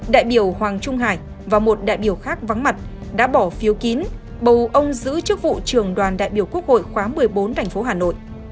đại biểu hoàng trung hải và một đại biểu khác vắng mặt đã bỏ phiếu kín bầu ông giữ chức vụ trưởng đoàn đại biểu quốc hội khóa một mươi bốn tp hà nội